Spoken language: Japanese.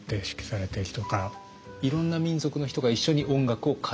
いろんな民族の人が一緒に音楽を奏でる？